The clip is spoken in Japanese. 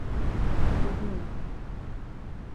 ロビン